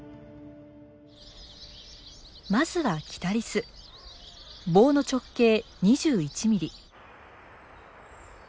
まずはキタリス棒の直径２１ミリ。